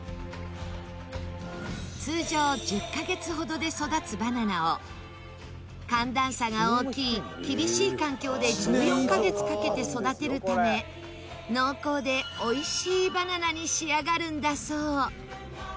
通常１０カ月ほどで育つバナナを寒暖差が大きい厳しい環境で１４カ月かけて育てるため濃厚で美味しいバナナに仕上がるんだそう。